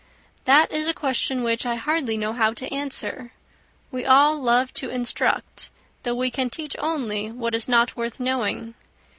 "That is a question which I hardly know how to answer. We all love to instruct, though we can teach only what is not worth knowing.